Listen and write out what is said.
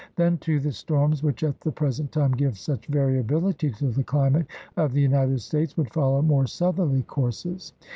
Then, too, the storms which at the present time give such variability to the climate of the United States would follow more southerly courses.